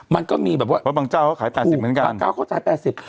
มันก็มีแบบว่าเพราะบางเจ้าเขาขาย๘๐เหมือนกันถูกบางเจ้าเขาขาย๘๐